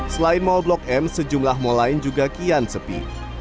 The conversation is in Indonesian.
selain mall blok m sejumlah mal lain juga kian sepi